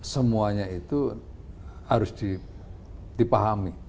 semuanya itu harus dipahami